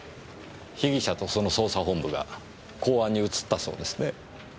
被疑者とその捜査本部が公安に移ったそうですねぇ。